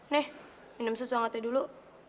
nih minum susu hangatnya dulu